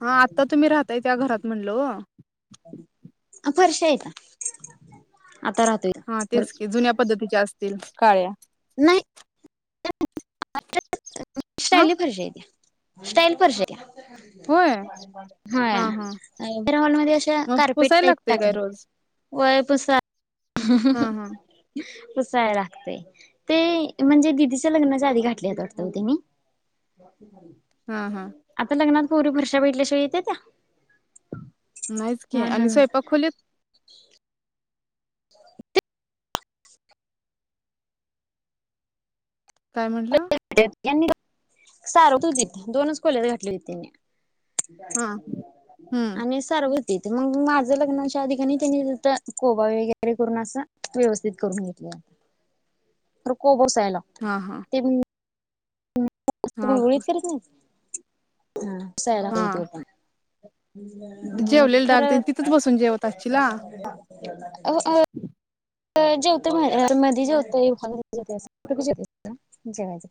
हा आता तुम्ही राहताय त्या घरात म्हणल ओ परवा हायत हा तेच की जुन्या पद्धतीचे असते तील काळ्या नाही [inaudible] हा शाली फरशा आहेत त्या स्टाईल फरशा त्या होय हा हॉल मध्ये अशा मग कार्पेट पुसायला टाईप लागतय काय टाकल्या रोज होय पुसा हा ह हा हा ह पुसाय लागते ते म्हणजे दिदीच्या लग्नाच्या आधी घातल्यात आ वाटत होते [inaudible] हा हा पोरी फरशा भेटल्याशिवाय येतत्या नाहीच की आणि स्वयंपाक खोलीत [inaudible] ते काय म्हणला यांनी सारवत होतीत दोनच खोल्यात घाटले होती त्यांनी हा [unintelligible] हम्म आणि सारवत त्यांनी मग माझ लग्नाच्या अधि का नाही त्यांनी कोबा वगैरे करून अस व्यवस्थित करून घेतलय तर कोबा त्याला हा हा ते तू हा गुळगुळीत करत नाहीस हा सायला हा पाहिजेतणा जेवलेल डाग तेन तिथंच बसून जेवत असशिला जेवणाराय अ आ जेवत म मध्ये जेवतं एवे जेवायच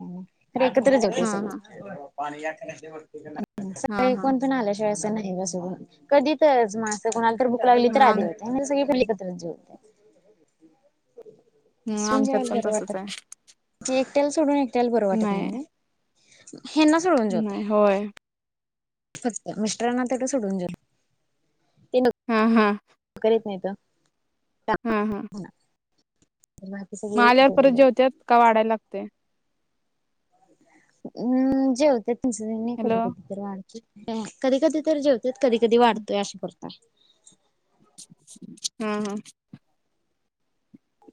एकत्र हा जेवत्यात सगळी हा पाणी आण [unintelligible] हा सगळे हा कोण कोण आले अस नाही अस कधी तर मास पण आल भूक लागली तर हा आधी हो सगळी तर जेवतात. [unintelligible] आमच्यात सुंजावाला पण बर वाट तसच आहे की तेल सोडून त्याल बरं वाटत नाही नई वो हेंना सोडून जेवते. नाही होय फक्त मिस्टरांना तेवड सोडून जेवल. हा हा करीत नहीत हा हा बाकी सगळी माल्यावर एकत्र परत जेवतोय. जेवत्यात का वाढायला लागते हं जेवतेत तु हॅलो कधी कधी करवा कधी कधी तर जेवतेत कधी कधी वाढतोय असं करतात हा हा.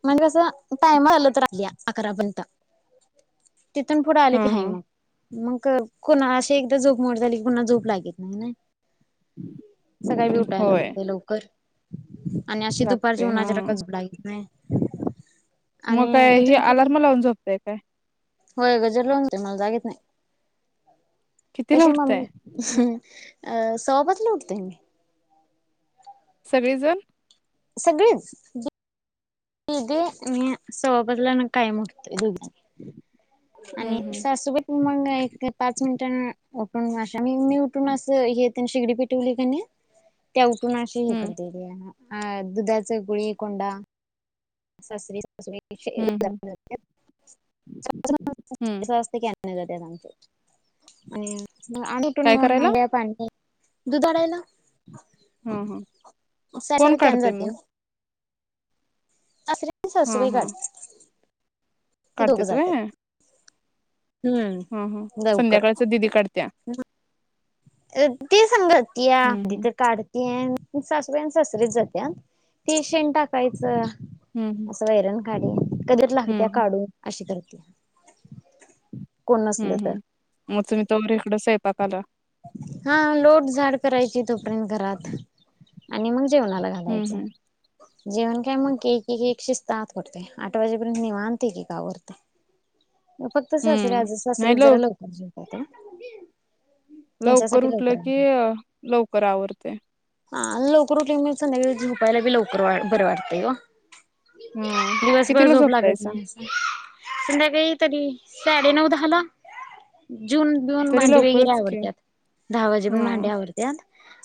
म्हणजे कसं टायम आल तर राहिली अकरापर्यंत तिथून पुढे आले हा की हाय हा मग मग कोणा अशी एकदा झोप मोड झाली की पुन्हा झोप लागत नाही ना सकाळी बी उठायला होय हते लवकर आणि अशी दुपारची लागते हा उन्हाच्या ह्यान काय झोप लागत नाही. मग आणि काय ह इथून पुढे अलार्म लावून झोपताय काय? होय गजर लावून मला जागेत नाही कितीला कशी उठताय मम्मी [unintelligible] अ सवा पाचला उठतोय मी सगळीजण सगळेच [unintelligible] दीदी मी सवा पाचला कायम उटतोय हम् आणि सासूबाई मग एक पाच मिनिटांन निम्मी उटून अस हे तेण शेगडी पेटवली का नाही त्या उठ तु नाशे हे हम्म करतया अ दुधाच गुळी कोंडा सासरे [unintelligible] [unintelligible] हम्म हम्म हम्म आमचे आणि [unintelligible] काय करायला अंघोळया पाणी दुधाडायला हा हा कोण? सासऱ्याला कॅन काढते जाते मग? ओ सासरे आणि सासूबाई काढतात ती दोघं काढत्यात जातात. होय? हा हा हम्म लवकर संध्याकाळच दिदी काढत्या अं ती संग हम्म [unintelligible] हम्म काढत सासुबाई आणि सासरेच जात्यात ती शेण टाकायचं हम्म असं वैरण काड्या कधी तर हम्म लागत्या हम्म काढू अशी करत [inaudible] हम्म हम्म मग तुम्ही तोपर्यंत इकडं स पाकाला हा लोटझाड करायची तो [inaudible] घरात आणि मग जेवणाला हम्म घालायचं हम्म जेवण काय मग एक एक शिज [unintelligible] आठ वाजेपर्यंत निवांत एक एक आवरतय फक्त सासरे हम्म आज नाही सासरेच जरा लव लवकर जेव [inaudible] लवकर उठलं की लवकर आवरतय. हा लवकर उठल की, मग संध्याकाळी झोपायला बी लवकर बर वाटतय ओ. हा दिवसभर कितीला झोप लागत झोपतायसा नाही असं संध्याकाळी तरी साडे नऊ दहाला. जीऊन बिऊन तरी भांडी वगैरे लवकरच आवर की हा दहावाजेपर्यंत भांडी आवरत्यात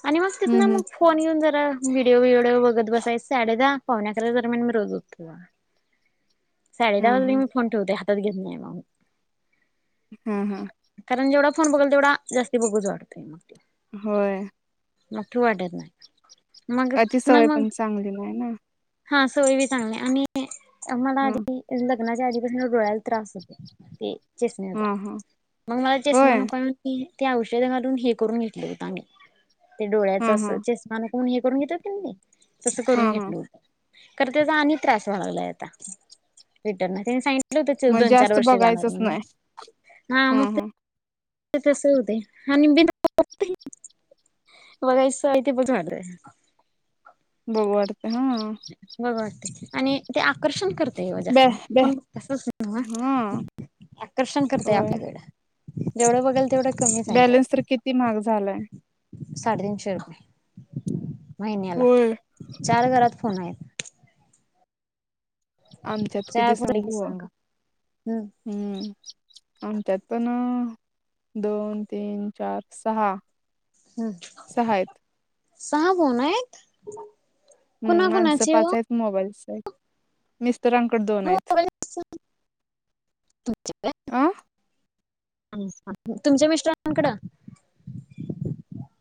आणि मग तिथन हम्म हम्म मग फोन घेऊन ज व्हिडिओ बिडिओ बघत बसायच साडे दहा पावणे अकरा दरम्यान मी रोज झोपते बघा. साडे दहा वाजले की हा मी फोन ठेवते हा घेत नाही [unintelligible] हम्म, हम्म. कारण जेवढा फोन बघल तेवढा जास्ती बघूच वाटतंय मग ते. होय. उठू वाटत नाही परत. अती सवय पण चांगली नाही ना. हा सवय बी चांगली आणि मला हा आधी लग्नाच्या आधी पस हेन डोळ्याला त्रास होतय. ते चष्म्याचा, हा हा मग मला चष्मा होय नको हाय म्हणून ती ते औषधे घालून हे करून घेतले होत आम्ही. ते डोळ्याच हा अस हा चस्मा न फोन हे करून घेत्यात कनई तसं हा करून हा घेतल होत. तर त्याचा आणि त्रास व्हायला लागलाय आता रिटर्न त्यांनी सांगित म्हटल त्याचे मग दोन चार जास्त वर्ष जाणार बघायचंच म्हणून. नाही हा मग ते तस होतय आणि बीन [unintelligible] बघायची सवय ती पण [unintelligible] बघू वाट हा. बघ वाटतंय आणि ते आ आकर्षण करतय ओ बॅ जास्ती. बॅ फोन बघत्यासच नव्ह हा आकर्षण करतय होय आपल्याकडं. जेवढं बघल बॅलन्स तर किती महाग झालाय. साडे तीनशे रुपये [inaudible] महिन्याला होय चार घरात फोन आहेत आमच्यात चार किती फुटले की सांगू? सांगा हम्म हम्म आमच्यात पण दोन, तीन, चार, सहा. हम्म सहा आहेत सहा फोन आहेत कुणा हम् माणसं कुणाचे ओ पाच आहेत मोबाईल स [unintelligible] मिस्ट रांन कड दोन हाईत मोबाईल अं [unintelligible] तुमच्या मिस्टरांकडं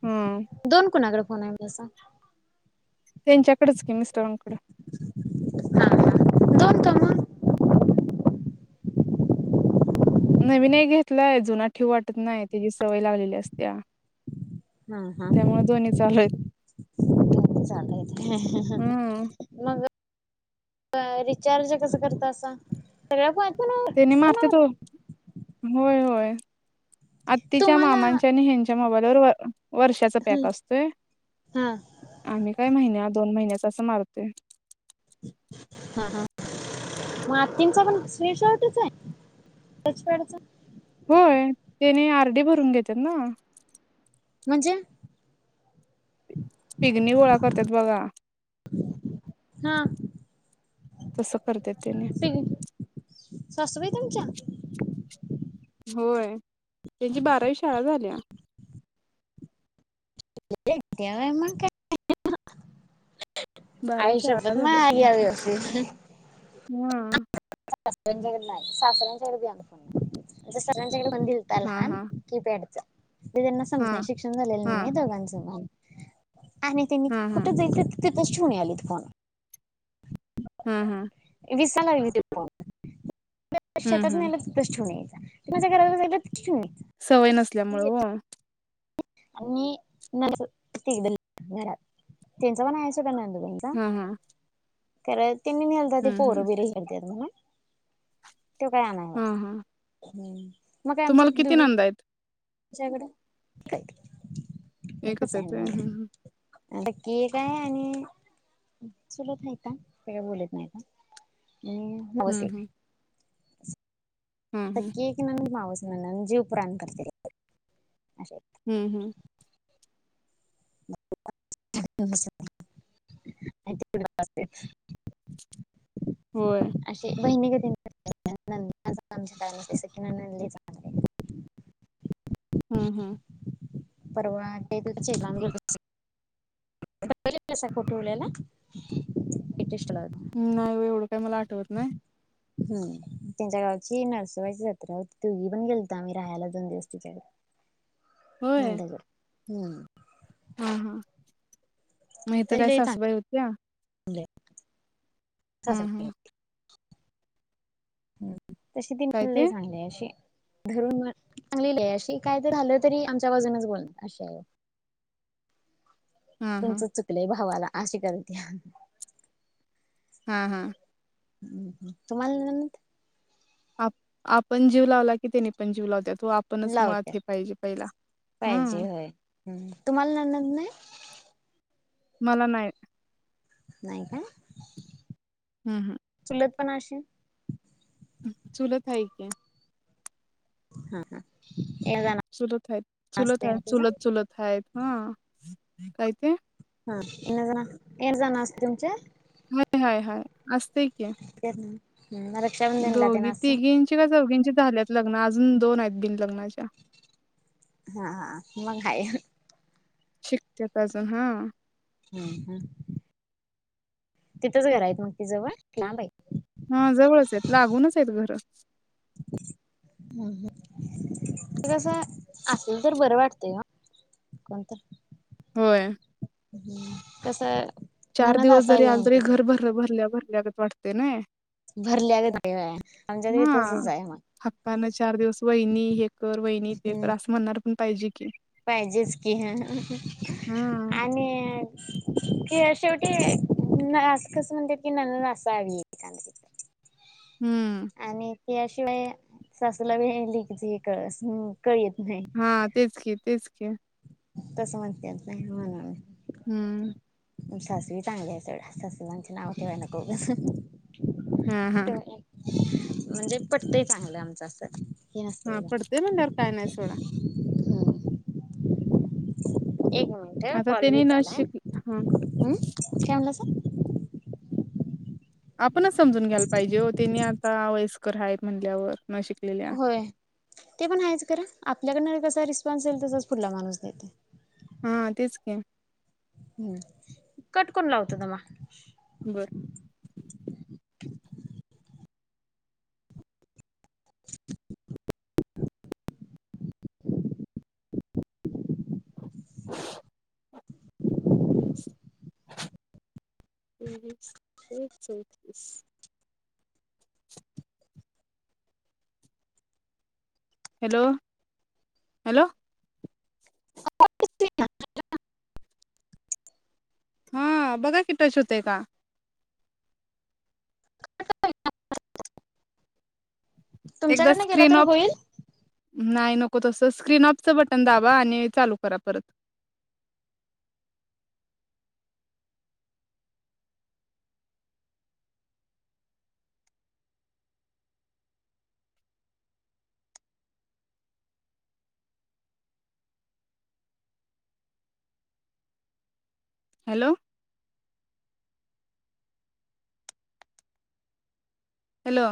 हम्म दोन कोणाकड? [unintelligible] आहे जसा त्यांच्याकडच कि मिस्टराकड [inaudible] दोन का मग? नवीन घेतलाय जुना ठेव वाटत नाही त्याची सवय लागलेली असत्या हा हा [inaudible] त्यामुळे दोन्ही चालू आहेत. चालू हायत होय हम्म. मग रिचार्ज कस करत [inaudible] असा सगळ्या फो तेनी मारतेत [unintelligible] होय होय अत्तीच्या तुम्हाला मामांच्या आणि हेन मोबाईलवर वर्षाचा पॅक हा असतोय हा आम्ही काय महिन्यात दोन महिन्याच असं मारतोय ह मग आतिंचा पण स्क्रीन शॉटच आहे टचपॅडचा होय त्याने आर डी भरून घेत्यात ना म्हणजे पिगणी गोळा करत्यात बघा हा तस करत्यात त्यांनी सासुबाई तुमच्या? होय त्यांची बारावी शाळा झालिया त्या मग काय? [inaudible] बारावी आई शाळा शप्पथ! झाल्या मग [unintelligible] हम सासऱ्यांच्या कड नाही सासऱ्यांच्याकड भी आयफोन आहे म्हणजे सगळ्या [unintelligible] दिलता हा लहान हा कीपॅड चा म त्यांना हा समजत नाही हा शिक्षण झालेलं नाही नाही हा दोघांचं मग आणि ते मी हा कुठं जायचं तिथच ठेवून आले त फोन हम्म हम्म. विसला लागलीत फोन हम्म शेतात हम्म. न्हेले तिथंच ठेवून आले माझ्या घराला जायला सवय नसल्यामुळें हो यायचा आणि सिग्नल घरात त्यांचा पण आहे अस का नंद हम्म हम् खरंच त्यांनी पोरं बीर हेलत्यात म्हणून तो काय आणयचा हा हा. असतो हम तुम्हाला किती नंदा आहेत? तुमच्याकडे काय एकच आहेत व्हयं ह हम्म हम्म. सख्खी एक आहे आणि चुलत आहेत त्या काय बोलत नाहीता हम् मावस हं, एक हं. हं, हं. सख्खी एक नंद मावस् नणंद जीव प्राण करते. असे हम्म हम्म [inaudible] होय. असे बहिणीगत आहे की नणंद नणदाचं आमच्या काय नसतं सख्खी नणंद लई चांगली आहे हम्म हम्म परवा [unintelligible] [inaudible] फोटो ठेवलेला स्टेटसला हम नाहीव एवढ काय मला आठवत नाही हम् त्यांच्या गावची नरसोवबाची जत्रा होती दोघी पण गेलत आम्ही राहायला दोन दिवस तिच्याक नंदा कड हम् हा हा मग इथ तरी काय लई सासूबाई होत्या? [inaudible] हम्म हम्म हम् तशी ती काय ते? लई चांगली अशी धरून चांगली लई आहे अशी काय तर झालं तरी आमच्या बाजूनच बोललं अशी आहे हां, हां. तुमचं चुकलंय भावाला अशी करत्या आ हा हा तुम्हाला नणंद आप आपण जीव लावला की त्यानी पण जीव लावत्यात तो आपणच मुळात लावत्या हे पाहिजे पहिला हम्म हम् तुम्हाला नणंद नाही? मला नाय य नाय काय - हम्म हम्म पनाशे चूलत हय की. हा हा एक जण चूलय हायत चूलय असते हायत चूलत हा चुल हयत हा काय ते? हा इन जना येड जण असत तुमचे हाय हय हाय अस असते की मग रक्षाबंधनला तेन दोघी असं तीघी ची का चौघं झाल्यात लग्न अजून दोन आहेत बिन हा मग हाय ह शिकत्यात अजून हा ह ह तिथंच घर आहेत मग ति जवळ लांब य हा जवळच आहेत लागूनच आहेत घर कस असेल तर बरं वाटतंय ह कोणत तर होय ह् कस चार दिवस जरी आंजरी घर भर भरल्यावर वाटते नाय भरल्या गत आमच्यात बी तसच ह आहे हक्कान चार दिवस वहिनी हे कर वहिनी ते मग कर असं म्हणणार पाहिजे की पाहिजेच की ह ह हा. ह आणि अ कि शेवटी अस कसं म्हणतात की ननंद असावी येखंदी हम्म. आणि याशिवाय सासूला बी लेकीची कळस हा तेच की तेच क- [unintelligible] तसं म्हणत्यात होय मालक हम्म सासरी चांगली आहे सगळे सासूबाईना नाव ठेवाय नको ऊगच. हम् हम म्हणजे पटतंय चांगलं आमचं असं हे हा नसतंय पटतेय म्हटल्यावर काय नाही सोडा. जरा एक मिनिट आता कॉल त्यांनी व्हीत न आलाय. शिक हा. अं काय म्हणालास आपणच समजून घ्यायला पाहिजे हो तेनी आता वयस्क कर हायत म्हणल्यावर न शिकलेल्या होय ते पण हायचं खर आपल्याकडन कसा रिस्पॉन्स येईल तसच फुढला माणूस देतोय हा तेच की हम्म कट करुन लावतो तमा बर. [unintelligible] हॅलो हॅलो हा बघा कि टच होतय का एकदा तुमच्याकडन गेला स्क्रीन तर ऑफ होईल? नाही नको तस स्क्रीन ऑपचं बटन दावा आणि चालू करा परत हॅलो हॅलो